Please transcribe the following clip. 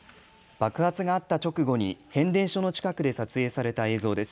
爆発があった直後に変電所の近くで撮影された映像です。